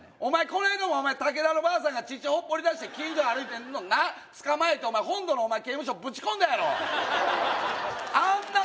この間もタケダのばあさんが乳ほっぽり出して近所歩いてんのな捕まえてお前本土のお前刑務所ぶち込んだやろあんな